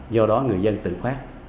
do đó người dân tự phát